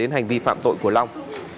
hành vi phạm tội của long